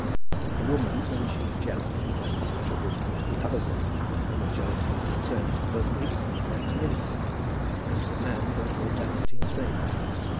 A woman, when she is jealous, is apt to attribute to the other woman with whom her jealousy is concerned, both weakness and timidity, and to the man both audacity and strength.